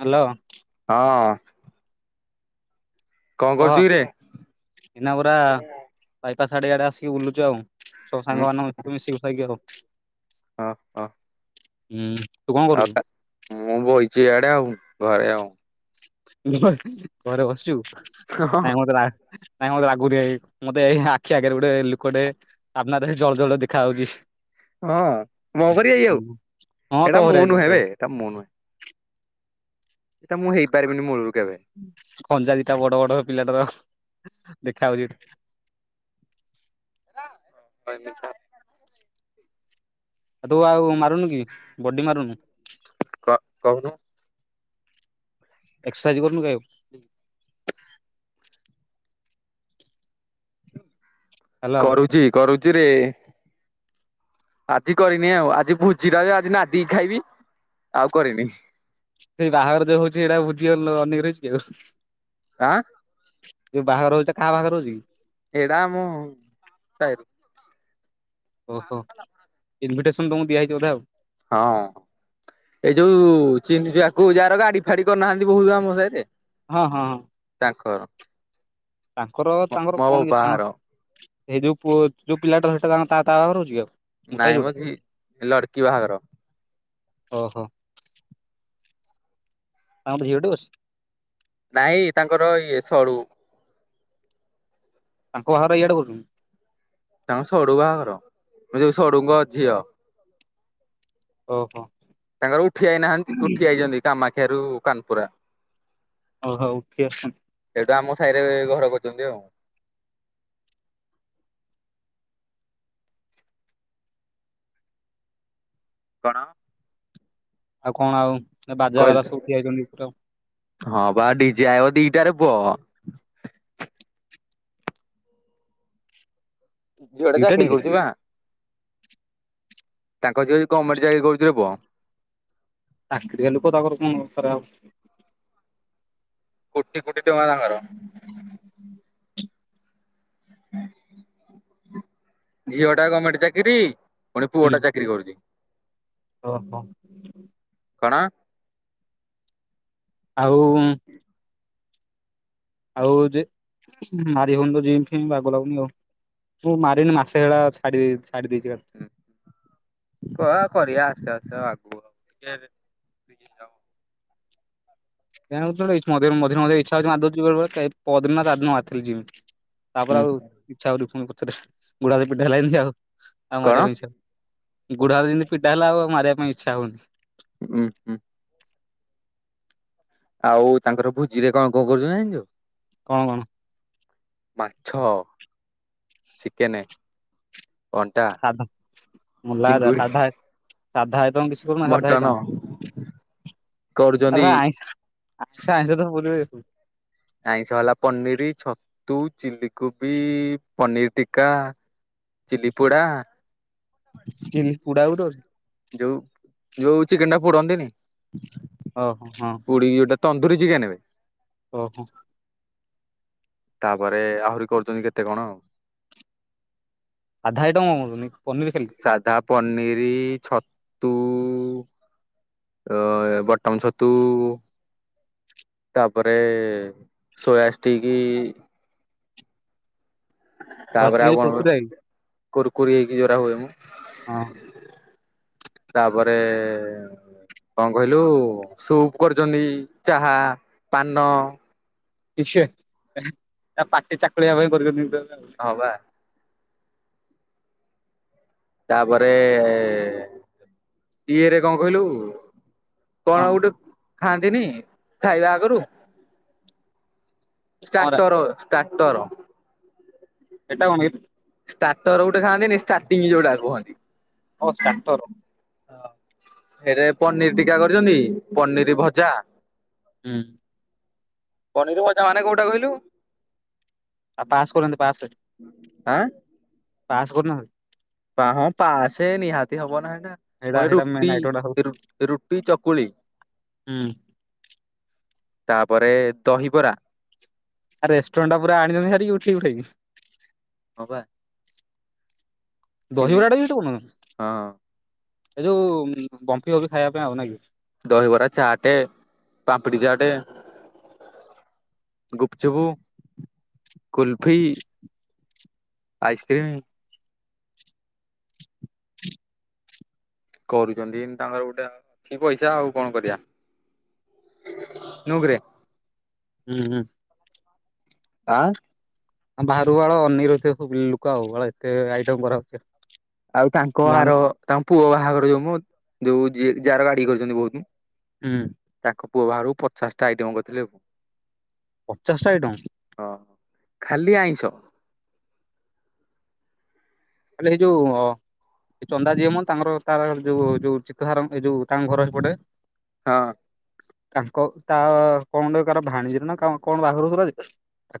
Hello. ହଁ। କଣ କହ କରୁଚୁ କି ରେ? ଏଇନା ପୁରା ବାଇପାସ୍ ଆଡେ ଇଆଡେ ଆସିକି ବୁଲୁଚୁ ଆଉ ସବୁ ହୁଁ ସାଙ୍ଗ ମାନେ ମିଶିମୁଷାକି ଆଉ। ହଁ ହଁ। ହୁଁ। ତୁ କଣ ଆଉ କରୁଛୁ? ପ ମୁଁ ବଇଚି ଇଆଡେ ଆଉ ଘରେ ଆଉ। [unintelligible] ଘରେ ବସିଚୁ ହଁ ନାଇଁ ମତେ ଲା ନାଇଁ ମତେ ଲାଗୁନି ଏ ମତେ ଏଇ ଆଖି ଆଗରେ ଗୋଟେ ଲୋକଟେ ଆପ ନ୍ ଦେ ଜଳ ଜଳ ଦେଖାହଉଚି। ହଁ ମ ପରି ଆଇ ଆଉ ହଁ ଏଟା ତୋରେ ମୁଁ ତ ନୁହେଁ ବେ ଏଟା ମୁଁ ନୁହେଁ। ଏଟା ମୁଁ ହେଇପାରିବିନି ମୂଳରୁ କେବେ। ଖଞ୍ଜା ଦିଟା ବଡ ବଡ ପିଲାଟାର ଦେଖା ହଉଚି ଏଠୁ। [unintelligible] ଆଉ ତୁ ଆଉ ମାରୁନୁ କି ବଡି ମାରୁନୁ? କ କହୁନୁ। ଏକ୍ସାଇଜ୍ କରନୁ କାଇ ଆଉ। ହ୍ୟାଲୋ କରୁଛି କରୁଛି ରେ। ଆଜି କରିନି ଆଉ ଆଜି ଭୋଜି ଟା ଯେ ଆଜି ନାଦିକି ଖାଇବି ଆଉ କରିନି। ସେଇ ବାହାଘର ଯୋଉ ହଉଛି ଏଇଟା ଭୋଜି ଅ ଅନେଇକି ରହିଛି ଆଉ। ଆଁ। ଯୋଉ ବାହାଘର ହୋଉଛି ଏଟା କା ବାହାଘର ହୋଉଚି କି? ଏଡ଼ା ଆମ ସାଇରୁ। ଓହୋ ଇନଭିଟେସନ ତମକୁ ଦିଆହେଇଛି ବୋଧେ ଆଉ। ହଁ। ଏଇ ଯୋଉ ଚିନିଚୁ ଆକୁ ଯାହାର ଗାଡି ଫାଡି କରିନାହାନ୍ତି ବହୁତ ଆମ ସାହିରେ। ହଁ ହଁ। ତାଙ୍କର। ତାଙ୍କର ତାଙ୍କର ମୋ କଣ କିଛି ବାବା ଘର ତାଙ୍କର ସେଇ ଯୋଉ ପୁଅ ଯୋଉ ପିଲାଟା ସେଟା ତାଙ୍କ ତା ତା ଘରେ ରଉଛି କି ଆଉ? ମୋଟା ହେଇକି ନାଇଁ ମ ଯୋଉଟା ଝି ଲଡକି ବାହାଘର। ଓହୋ। ତାଙ୍କର ଝିଅଟେ ଅଛି। ନାଇଁ ତାଙ୍କର ଇଏ ସଳୁ। ତାଙ୍କ ବାହାଘର ଇଆଡେ କରୁଛନ୍ତି। ତାଙ୍କ ସଡୁ ବାହାଘର ଯୋଉ ସଡୁଙ୍କ ଝିଅ। ଓହୋ। ତାଙ୍କର ଉଠି ଆଇନାହାନ୍ତି ଉଠି ଆଇଛନ୍ତି କାମାକ୍ଷା ରୁ କାନପୁରା। ଓହୋ ଉଠି ଆସଛନ୍ତି। ସେଇଠୁ ଆମ ସାହିରେ ଘର କରିଛନ୍ତି ଆଉ। କଣ? ଆଉ କଣ ଆଉ ବାଜା ବାଲା କହିଲେ ସବୁ ଉଠିଆଇଛନ୍ତି ପୁରେ। ହଁ ବା ଡିଜେ ଆଇବ ଦିଟାରେ ପୁଅ। ଝିଅ ଟା ଦିଟା ଚାକିରି ଡିଜେ କରୁଛି ବା? ତାଙ୍କ ଝୀଅ ଯି ଗମେଟ ଚାକିରି କରୁଚିରେ ପୁଅ। ଚାକିରିଆ ଲୋକ ତାଙ୍କର କଣ ଖରା ଆଉ। କୋଟି କୋଟି ଟଙ୍କା ତାଙ୍କର। ଝିଅ ଟା ଗର୍ମେଣ୍ଟ ଚାକିରି। ପୁଣି ପୁଅ ଟା ଚାକିରୀ କରୁଛି। ଓହୋ କଣ? ଆଉ ଆଉ ଯେ ମାରି ହଉନ ତ ଜିମ ଫିମ ବାଗ ଲାଗୁନି ଆଉ। ମୁଁ ମାରିନି ମାସେ ହେଳା ଛାଡ଼ ଛାଡ଼ି ଦେଇଛି। କ କରିବା ଆସ୍ତେ ଆସ୍ତେ ଆଗକୁ ଆଉ। ବିକି ଯାଉ। ରେରେରେ ଇ୍ଛା ହଉଛି ଆ ପଦ୍ମନାଥ ଆଦମି [unintelligible] ତାପରେ ହୁଁ ଆଉ ଇଚ୍ଛା ହଉଛି ପୁଣି ପଛରେ ଗୋଡ଼ ହାତ ପିଠା ହେଲା ଯେମିତି ଆଉ। ଆଉ କଣ ମାରିବା ପାଇଁ ଇଚ୍ଛା ହଉନି ଗୋଡ଼ ହାତ ଯିନ୍ତି ପୀଡ଼ା ହେଲା ଆଉ ମାରିବା ପାଇଁ ଇଚ୍ଛା ହଉନି। ହଁ ହଁ। ଆଉ ତାଙ୍କର ଭୋଜି ରେ କଣ କଣ କରୁଛନ୍ତି ଜାଣିଛୁ? କଣ କଣ? ମାଛ, ଚିକେନ। ଅଣ୍ଡା ସାଧା ମୁଲାୟ ସାଧା ଚିଙ୍ଗୁଡି ସାଧା ତ କିଛି ସାଧା ମଟନ ଆଇଟମ କରୁଛନ୍ତି ଆରେ ଆଇଁଷ ଆଚ୍ଛା ଆଇଁଷ ତ କରିବେ ଆଇଁଷ ହେଲା ପନିରି, ଛତୁ, ଚିଲିକୋବି, ପନିର ଟିକା। ଚିଲି ପୋଡ଼ା। ଚିଲି ପୋଡ଼ା ଗୋଟେ ଅଛି? ଯୋଉ ଯୋଉ ଚିକେନଟା ପୋଡ଼ନ୍ତିନି ଓହୋ ହଁ ପୁଡ଼ି ଯଉଟା ତନ୍ଦୁୁରୀ ଚିକେନବେ। ଓହୋ। ତାପରେ ଆହୁରି କରୁଛନ୍ତି କେତେ କଣ ଆଉ। ସାଧା ଆଇଟମ୍ ଆମର ହଉନି ପନିର ଖାଲି ସାଧା ପନିରି ଛତୁ। ଅ ବଟମ ଛତୁ। ତାପରେ ସୋୟା ଷ୍ଟିକି। ତାପରେ ଆସିକି ଆଉ ଯୋଉ କଣ କୁରକୁରି ଆଇ କୁରୁ କୁରି ହେଇକି ଯୋରା ହୁଏମୋ। ହଁ ତାପରେ କଣ କହିଲୁ ସୁପ୍ କରିଚନ୍ତି ଚାହା, ପାନ କିସେ ଆ ପାଟି ଚାକୁଳିବା ପାଇଁ [unintelligible] ହଁ ବା। ତାପରେ ଇଏରେ କଣ କହିଲୁ? କଣ ଗୋଟେ ଖାଆନ୍ତିନି ଖାଇବା ଆଗରୁ? କଣରା ଷ୍ଟାଟର ଷ୍ଟାଟର। ହେଟା ହୁଏ। ଷ୍ଟାଟର ଗୋଟେ ଖାଆନ୍ତିନି ଷ୍ଟାର୍ଟିଂ ଯୋଉଟା କୁହନ୍ତି। ଓ ଷ୍ଟାର୍ଟର ହୁଁ ହେରେ ପନିର ଟୀକା କରିଛନ୍ତି ପନିର ଭଜା। ହୁଁ। ପନିର ଭଜା ମାନେ କୋଉଟା କହିଲୁ? ଆଉ ପାସ୍ କରନାହାନ୍ତି ପାସ୍ ପାସ୍ କରିନାହାନ୍ତି? ପା ହଁ ପାସେ ନିହାତି ହବନା ହେଟା। ହେଇଟା କହେ ହେଇଟା ରୁଟି ମେନ୍ ଆଇଟମ ଟା ସବୁ ରୁ ରୁଟି, ଚକୁଳି। ହୁଁ ତାପରେ ଦହିବରା। ଆ ରେଷ୍ଟୁରାଣ୍ଟଟା ପୁରା ଆଣିଛନ୍ତି ହାରିକି ଉଠେଇ ଉଠାକି। ହଁ ବା। ଚିଲି ଦହିବରାଟା ବି ସେ ବନଉଚି ହଁ ହେ ଯୋଉ ବମ୍ଫି ଗଫି ଖାଇବା ପାଇଁ ଆଉ ନାଇକି। ଦହିବରା, ଚାଟେ, ପାମ୍ପଡ଼ି ଚାଟେ। ଗୁପଚୁପୁ। କୁଲଫି, ଆଇସ୍କ୍ରିମ୍। କରୁଛନ୍ତି ଇନି ତାଙ୍କର ଗୋଟେ ଅଛି ପଇସା ଆଉ କଣ କରିଆ। ନୁଗରେ। ହୁଁ ହୁଁ। ଆଁ ଆ ବାହାରୁକୁ ବାଳ ଅନେଇକି ରହିଥିବେ ବୁ ଲୁକ ଆଉ ବାଳ ଏତେ ଆଇଟମ କରାହଉଚି। ଆଉ ତାଙ୍କ ଆର ତାଙ୍କ ପୁଅ ବାହାଘର ଯୋଉ ମୁ ଯୋଉ ଯି ଯାର ଗାଡ଼ି କରିଛନ୍ତି ବହୁତ। ହୁଁ। ତାଙ୍କ ପୁଅ ବାହାଗର କୁ ପଚାଶଟା ଆଇଟମ କରିଥିଲେ। ପଚାଶଟା ଆଇଟମ! ହଁ ଖାଲି ଆଇଁଷ। ଖାଲି ହେଇଯୋଉ ହ ଏ ଚନ୍ଦା ଯିଏମ ତାଙ୍କର ତାର ଯୋଉ ଯୋଉ ଚିତ ସାରଙ୍କ ଭାଇ ଯୋଉ ତାଙ୍କ ଘର ଏପଟେ ହଁ। ତାଙ୍କ ତା କଣ ଗୋଟେ କାର ଭାଣିଜୀର ନା କ କଣ ବାହାଘର ହଉଥିଲା ଯେ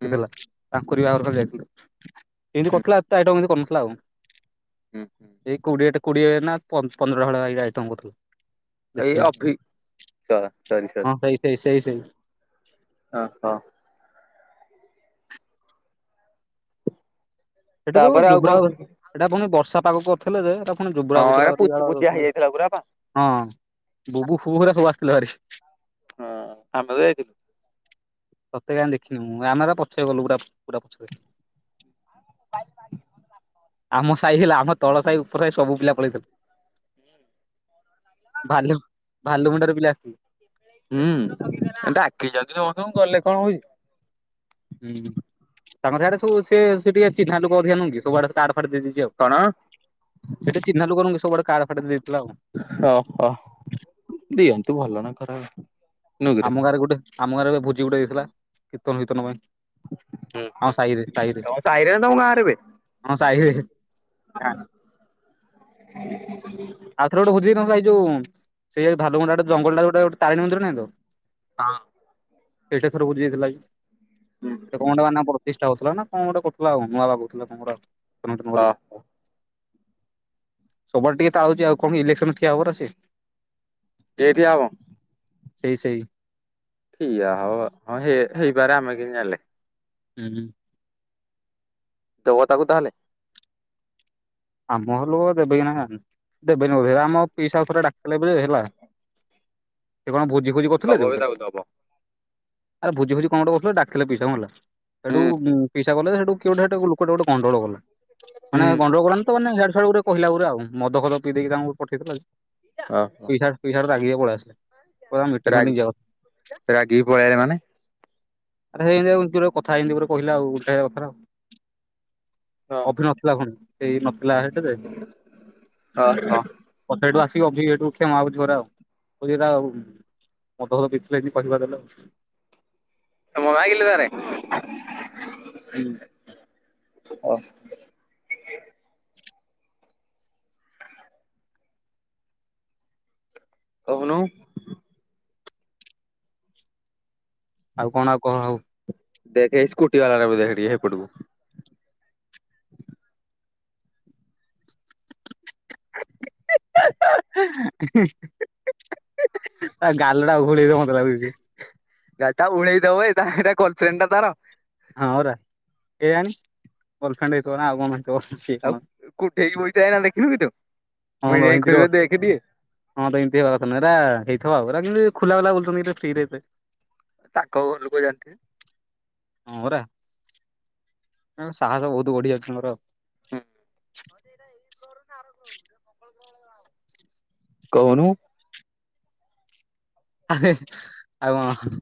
ହୁଁ ତାଙ୍କରି ବାଘର କୁ ପା ଯାଇଥିଲେ ଏମିତି ହୁଁ କରିଥିଲା ଏତେ ଆଇଟମ ଏମିତି କରିନଥିଲା ଆଉ। ହୁଁ ହୁଁ। ଏଇ କୋଡିଏ ଟା କୋଡିଏ ନା ପନ୍ଦର ଭଳିଆ ଆଇଟମ କରୁଥିଲା। ଏଇ ବେଶୀ ନାହିଁ ଅଭି ସରି ସରି ହଁ ସେଇ, ସେଇ, ସେଇ, ସେଇ ଓ ହୋ। ସେଇଟା ତାପରେ [unintelligible] ଆଉ ଯୋବ୍ରା, କଣ କହୁଥିଲି ଏଇଟା ପୁଣି ବର୍ଷା ପାଗସହ ଥିଲେ ଯେ ଏଟ ପୁଣି ଜୋବ୍ରା ହଁ ଏରା ପୁଚୁ ପୁଚିଆ କୁତୁରାଥିଲେ। ହେଇଯାଇଥିଲା ପୁରା ପା ହଁ ବୁବୁ ଫୁବୁ ସବୁ ଆସିଥିଲ ଭାରି। ହଁଅଁ ଆମେ ତ ଯାଇଥିଲୁ। ତତେ କାହିଁ ଦେଖିନି ମୁଁ, ଆମେ ପଛରେ ଗଲୁ, ପୁରା ପୁରା ପଛରେ। ଆମ ସାହି ହେଲା, ଆମ ତଳ ସାହି ଉପର ସାହି ସବୁ ପିଲା ପଳେଇଥିଲୁ। ଭାଲୁ ଭାଲୁ ମୁଣ୍ଡାର ପିଲା ଆସିଥିଲେ। ହୁଁ ଡାକି ଯାଉଛନ୍ତି ତମ ତଁ ଗଲେ କଣ ହଉଛି? ହୁଁ ତାଙ୍କ ଆଡେ ସବୁ ସେ ଟିକେ ଚିହ୍ନା ଲୋକ ଅଧିକୁ କି ସବୁଆଡେ କାଡ ଫାଡି ଦେଇଦେଇଛି ଆଉ। କଣ ସେଠି ଚିହ୍ନା ଲୋକଙ୍କୁ ସବୁଡ କାଡ଼ ଫାଡ଼ ଦେଇଥିଲା ଆଉ। ହ ହ, ଦିଅନ୍ତୁ ଭଲ ନା ଖରାପ ନୁକରେ ଆମ ଗାଁରେ ଗୋଟେ, ଆମ ଗାଁରେ ଗୋଟ ଭୋଜି ଗୋଟେ ହେଇଥିଲା, କୀର୍ତ୍ତନ ଫିର୍ତ୍ତନ ପାଇଁ। ହୁଁ। ହଁ ସାଇରେ ସାଇରେ ସାହିରେ ମ ଗାଁ ରେ ବେ ହଁ ସାଇରେ ଆଉଥରେ ଗୋଟେକି ଭାଇ ଯୋଉ ସେଇ ଧାୁଣ୍ଡ ଗ ଜଙ୍ଗଲ ଗୋଟେ ତିଣ ମନ୍ଦିର ନାଁ ତ ହଁ। ସେଠ ଥର ବ ଯାଇଥିଲା କି କଣ ନା ପ୍ରତିଷ୍ଠା ହଉଥିଲା ନା କଣ ଗୋଟେ କୁଥିଲା ଆଉ ନୂଆ ବାବୁଥିଲା କଣ ଗୋ ଆଉ କେମିତି ନ ହଁ ସବୁ ଆଡେ ଟିକେ ହଉଛି, ଆଉ କଣ ଇଲେକ୍ସନ ଠିଆ ହବ ସେ ଏଠିଆ ହବ ସେଇ, ସେଇ ଠିଆ ହଉ, ହଁ ହେ ହେଇପାରେ, ଆମେ କିମିତି ଜାଣିଲେ। ହୁଁ ହୁଁ। ତ କ ତାକୁ ତାହେଲେ ଆମ ହେଲୁ ଦେବେକି ନା ଦେବେନି ବଧ ଆମ ପିଇସା ଥରେ ଡାକିଲଲେ ବୋଲି ହେଲା ସେ କଣ ଭୋଜି ଭୋଜି କରୁଥିଲେ ଯେ ଦବ ବି ଗୋଟେ, ତାକୁ ଦବ ଆରେ ଭୋଜି ଭୋଜି କଣ ଗୋଟେ କରୁଥିଲେ ଡାକିଲେ ପିଇସା କଣ ହେଲା? ସେଠୁ ହୁଁ ପିଇସା ଗଲେ, ସେଠୁ କିଏ ଗୋଟେ ଲୋକଟେ ଗୋଟେ ଗଣ୍ଡଗୋଳ କଲା, ହୁଁ ମାନେ ଗଣ୍ଡଗୋଳ କଲା। ତ ମାନେଡ ଫେଡ ଗଟେହିଲ ଗଟରେ ଆଉ ମଦ ପିଇ ଦେଇକି ତାଙ୍କୁ ପଠେଇଥିଲା ଓ ହୋ। ପିଇସା ରାଗିକି ହେଟୁ ପଳେଇ ଆସିଲେ, କହିଲେ ମିଟିଂ ରାଗି ଫଟିଂ ଯାଉ ରାଗିକି ପଳେଇଆଇଲେ ମାନେ ଆରେ ସେଇ ଯଉ କଥା ହେମି ଗୁରେ କହିଲ ଆଉ, ଉଠେଇ କଥା ଆଉ। ହଁ। [unintelligible] ମତେ ହେଠୁ ଆସିକି ଅଭି ଓହୋ ହେଠୁ କ୍ଷମା ମାଗୁଛି ଘରେ ଆଉ, କହୁଚି ହେଟା [unintelligible] ତମେ ରାଗିଲ ନା ନାଇଁ? ହୁଁ। କହୁନୁ? ଆଉ କଣ ଆଉ କହ ଆଉ? ଦେଖ ଏଇ ସ୍କୁଟି ବାଲା ର ବି ଦେଖି ସେଇପଟକୁ [inaudible] [inaudible] [inaudible] ତା ଗାଲ ଅ ଘୁଳେଇ ହବ ମତେ ଲାଗୁଛି। ଗାଲଟାକୁ ଘୁଳେଇଦବ ବେ, ଏଇ ତା ଏଟା କଲଫ୍ରେଣ୍ଡ ଟା ତାର। ହଁ ହରା କେଜାଣି? କଲ ଫ୍ରେଣ୍ଡ ହେଇଥିବନା ଆଉ କଣ ହେଇଥିବ? ସିଏ କଣ ଆଉ କୋଉଠେ ଯାଇକି ବହିଚି ଯାଇନା ଦେଖିଲୁ କି ତୁ, ହଁ ତ ମୁଇଁ ଯାଇ ଏମିତିରେ କହିବି ଦେଖେ ଟିଏ। ହଁ ତ ଏମିତି ହେଇାର କଥାଁରା ହେଇଥିବ ଆଉ କି ଖୋଲାବୁଲା ବୁଲୁଛନ୍ତି ଫିରେ ତାଙ୍କ ଘର ଲୋକ ଯାଣିଥିବେ। ହଁ ପରା ସାହସ ବହୁତ ବଢିଆ ଅଛି ମୋର। ମ ଏଇା ଏଇ୍ୋର ଆର୍ଲୋ। କହୁନୁ। ଆଉ କଣ?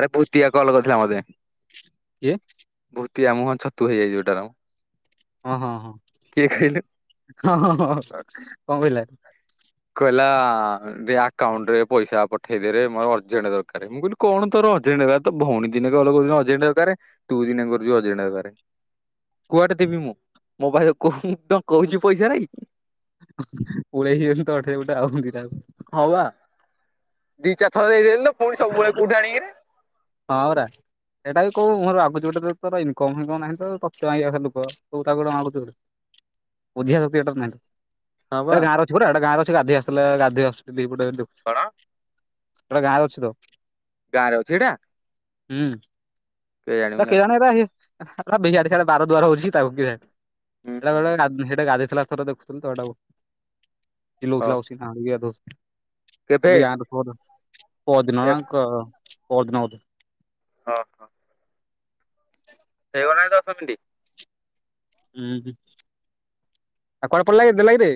ଆରେ ଭୁତିଆ କଲ୍ କରିଥିଲା ମୋତେ। କିଏ? ଭୂତିଆ ମୁହଁ ଛତୁ ହେଇଯାଉଚି ହେଟାରମ। ହଁ ହଁ ହଁ ହ ହ କଣ କହିଲା? କହିଲା ଦେ ଆକାଉଣ୍ଟ୍ ରେ ପଇସା ପଠେଇଦରେ ମୋର ଅର୍ଜେଣ୍ଟ ଦରକାର୍ ମୁଁ କହିଲି କଣ ତୋର ଅର୍ଜେଣ୍ଟ ଦରକାର୍ ତ ଭଉଣୀ ଦିନେ କଲ୍ କରୁଚନ୍ତି ଅର୍ଜେଣ୍ଟ ଦରକାର୍ ତୁ ଦିନେ କରୁଚୁ ଅର୍ଜେଣ୍ଟ ଦରକାର୍। କୁଆଟେ ଦେବି ମୁଁ ମୋ ପାଖରେ କୋଉ ହୁଁ ମୁଁତ କହୁଚି ପଇସା ନାଇଁ ପୁଳେଇଯିବେ ତ [unintelligible] ଦିଟା ଆଙ୍କୁ। ହଉ ବା ଦି ଚାରି ଥର ଦେଇଦେଲି ତ ପୁଣି ସବୁବେଳେ କୋଉଠି ଆଣିକିରି ହଁପରା। ଏଇଟା କଉ ମୁଁର ଆଗୁଚିଗୋଟେ ତର ଇନକମ୍ ନାହିଁତ [unintelligible] ବୁଝିବା ସକ୍ତି ଏଟାର ନାହିଁ। ହଁ ବା ଏ ଗାଁରେ ଅଛି ପୁର ଏଟା ଗଁରେ ଅଛି ଗାଧୋଇ ଆସିଥଲା ଗାଧୋଇ ଆସୁଚି ଦିପଟେ ଦେଖୁ କଣ? ଏଟା ଗାଁରେ ଅଛି ତ। ଗାଁରେ ଅଛି ହେଇଟା? ହୁଁ। ଏ ମୁଁ ଜାଣିନି କେଇଆଣି ହେରା ଆପୁରା ବେହ୍ୟାଟେ ସେଆଡ଼େ ବାରଦ୍ଵାର ବୁଲୁଚି ତାକୁ କିଏ ଜାଣିଚି। ହୁଁ ସେଟା ହୁଁ ଗୋଟେ ଗା ହେଟା ଗାଧୋଇଥିଲା ଥରେ ଦେଖୁଥିଲତ ହେଟାକୁ ହଉ ଚିଲୋଉଥିଲା ବସିକି। କେବେ [unintelligible] ପଅର ଦିନ କେ ବୋଧେ। ହଁ ହଁ। ହେଇଗଲାଣି ଦଶ ମିନିଟ୍। ହୁଁ ହୁଁ ଆଉ କୁଆଡ଼େ ପଲାକି ଦେଲାକିରେ।